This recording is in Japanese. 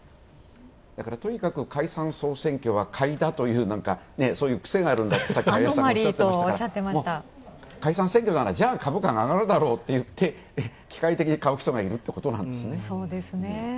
だから、とにかく解散・総選挙は買いだというそういう癖があるんだとおっしゃってましたから解散選挙なら、じゃあ株価が上がるだろうっていって機械的に買う人がいるってことなんですね。